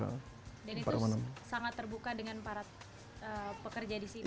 dan itu sangat terbuka dengan para pekerja di sini